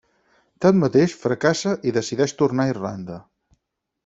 Tanmateix, fracassa i decideix tornar a Irlanda.